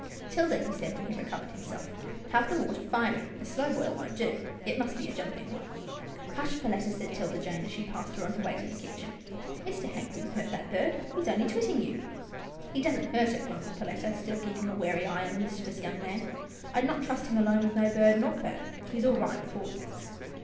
" 'Tilda," he said, when he recovered himself, " have the water fiery — a slow boil won't do. It must be a jumping one." " Hush, Perletta," said 'Tilda Jane, as she passed her on her way to the kitchen. " Mr. Hank wouldn't hurt that bird. He is only twitting you." " He dassent hurt it," grumbled Perletta, still keeping a wary eye on the mischievous young man. " I'd not trust him alone with no bird nor purp. He's all right with bosses."